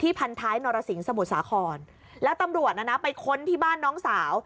พันท้ายนรสิงสมุทรสาครแล้วตำรวจน่ะนะไปค้นที่บ้านน้องสาว